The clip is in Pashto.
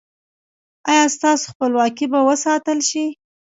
ایا ستاسو خپلواکي به وساتل شي؟